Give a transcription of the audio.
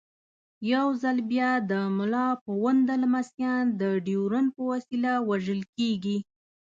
یو ځل بیا د ملا پوونده لمسیان د ډیورنډ په وسیله وژل کېږي.